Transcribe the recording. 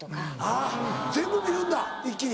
あぁ全部見るんだ一気に。